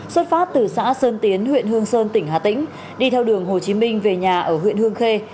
xuất phát từ xã sơn tiến huyện hương sơn tỉnh hà tĩnh đi theo đường hồ chí minh về nhà ở huyện hương khê